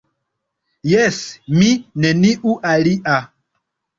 Jes, mi, neniu alia.